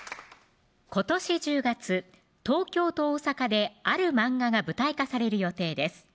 今年１０月東京と大阪である漫画が舞台化される予定です